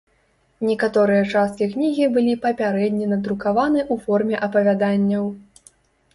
Некаторыя часткі кнігі былі папярэдне надрукаваны ў форме апавяданняў.